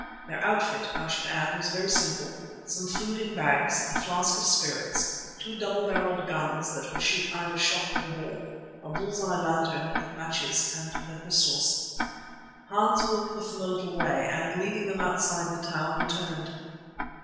Their outfit, I should add, was very simple: some food in bags, a flask of spirits, two double barrelled guns that would shoot either shot or ball, a bull's eye lantern, matches and their pistols. Hans walked with them a little way and, leaving them outside the town, returned.